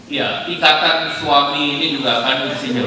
iya ikatan suami ini juga akan disini